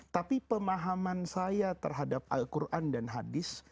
tapi pemahaman saya terhadap al quran dan hadis